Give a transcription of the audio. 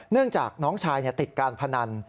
เนื่องจากน้องชายติดการพนัน